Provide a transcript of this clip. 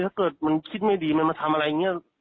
ถ้าเกิดมันคิดไม่ดีมันมาทำอะไรอย่างนี้